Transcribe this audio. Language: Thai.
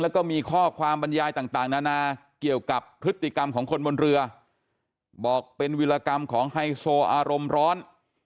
แล้วก็มีข้อความบรรยายต่างนานาเกี่ยวกับพฤติกรรมของคนบนเรือบอกเป็นวิรากรรมของไฮโซอารมณ์ร้อน